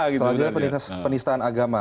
selanjutnya penistaan agama